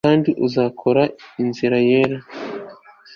Kandi uzakora inzira yera